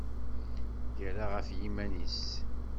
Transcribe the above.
Yerra ɣef yiman-nnes.